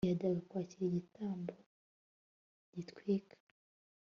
ntiyajyaga kwakira igitambo gitwikwa